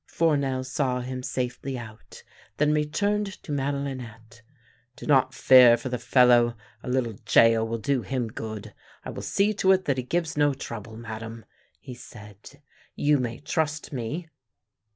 Fournel sav/ him safely out, then returned to Made linette. " Do not fear for the fellow. A little gaol will do him good. I will see to it that he gives no trouble, Madame," he said. " You may trust me."